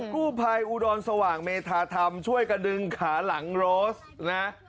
กู้ภัยอุดรสว่างเมธาธรรมช่วยกระดึงขาหลังโรสนะ